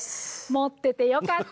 持っててよかった。